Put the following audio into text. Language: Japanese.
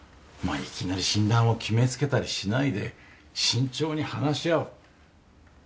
まあいきなり診断を決めつけたりしないで慎重に話し合う。